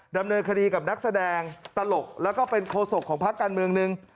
ดำเนินคดีกับนักแสดงตลกแล้วก็เป็นโคศกของพักการเมืองหนึ่ง